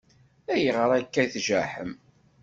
Ayɣer akka i tjaḥem?